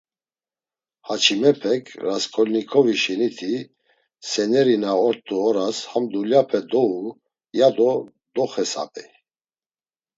Haçimepek, Rasǩolnikovi şeni ti seneri na ort̆u oras ham dulyape dou, yado doxesabey.